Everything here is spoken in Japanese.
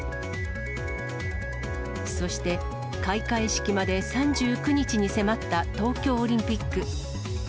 そして、開会式まで３９日に迫った東京オリンピック。